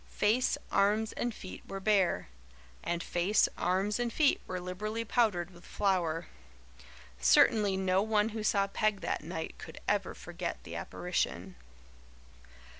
Face, arms and feet were bare and face, arms and feet were liberally powdered with FLOUR. Certainly no one who saw Peg that night could ever forget the apparition.